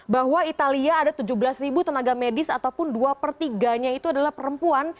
bahwa italia ada tujuh belas ribu tenaga medis ataupun dua per tiganya itu adalah perempuan